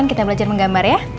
kita belajar menggambar ya